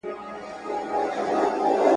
هر آواز یې د بلال دی هر ګوزار یې د علي دی ,